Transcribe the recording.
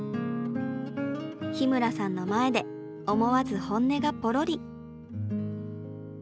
日村さんの前で思わず本音がぽろり。